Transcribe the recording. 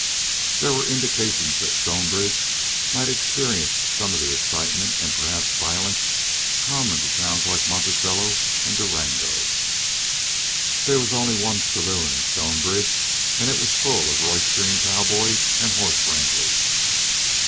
There were indications that Stonebridge might experience some of the excitement and perhaps violence common to towns like Monticello and Durango. There was only one saloon in Stonebridge, and it was full of roystering cowboys and horse wranglers.